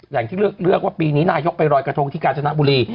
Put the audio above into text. อย่างที่เลือกว่าปีนี้นายกไปรอยกระทงที่กาญจนบุรี